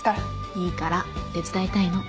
いいから手伝いたいの。